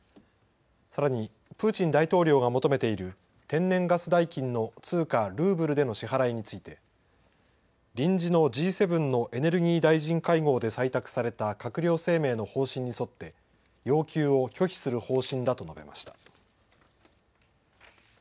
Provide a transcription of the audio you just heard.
さらにプーチン大統領が求めている天然ガス代金の通貨ルーブルでの支払いについて臨時のＧ７のエネルギー大臣会合で採択された閣僚声明の方針に沿って要求を拒否する方針だと述べました。